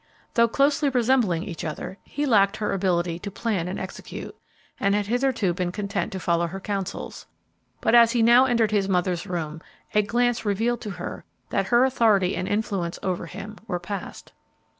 Though closely resembling each other, he lacked her ability to plan and execute, and had hitherto been content to follow her counsels. But, as he now entered his mother's room, a glance revealed to her that her authority and influence over him were past.